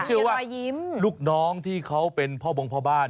เชื่อว่าลูกน้องที่เขาเป็นพ่อบงพ่อบ้าน